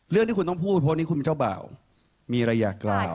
เรื่องที่คุณต้องพูดเพราะนี่คุณเจ้าบ่าวมีระยะกล่าว